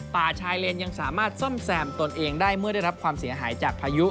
ป่าชายเลนยังสามารถซ่อมแซมตนเองได้เมื่อได้รับความเสียหายจากพายุ